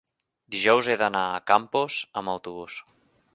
Dijous he d'anar a Campos amb autobús.